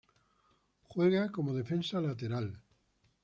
Juega como defensa lateral.